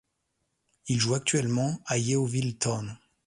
Il joue actuellement à Yeovil Town.